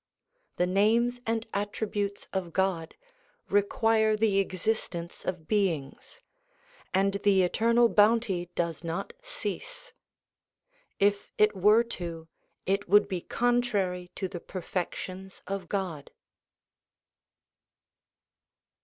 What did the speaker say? The names and attributes of God require the existence of beings, and the Eternal Bounty does not cease. If it were to, it would be contrary to the perfections of God.